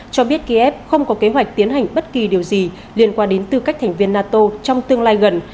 cho biết kiev không có kế hoạch tiến hành bất kỳ điều gì liên quan đến tư cách thành viên nato trong tương lai gần